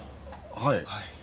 はい。